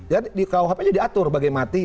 ya di kuhp nya diatur bagai mati